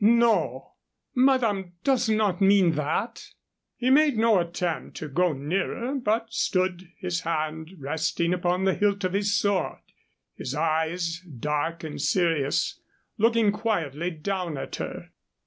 "No, madame does not mean that." He made no attempt to go nearer, but stood, his hand resting upon the hilt of his sword, his eyes, dark and serious, looking quietly down at her.